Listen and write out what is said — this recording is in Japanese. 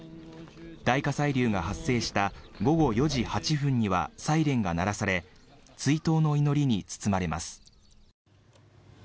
大火砕流が発生した午後４時８分にはサイレンが鳴らされ追悼の祈りに包まれます。